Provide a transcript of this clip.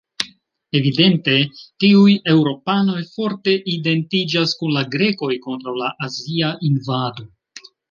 Evidente tiuj eŭropanoj forte identiĝas kun la grekoj kontraŭ la azia invado.